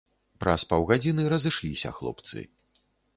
Праз паўгадзіны разышліся хлопцы.